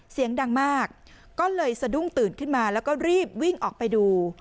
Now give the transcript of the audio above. เสียงดังมากก็เลยสะดุ้งตื่นขึ้นมาแล้วก็รีบวิ่งออกไปดู